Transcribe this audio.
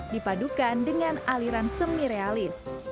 dipadukan dengan aliran semi realis